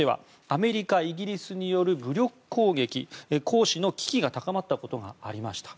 アメリカ、イギリスによる武力攻撃行使の危機が高まったことがありました。